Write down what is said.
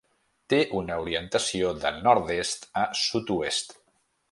Té una orientació de nord-est a sud-oest.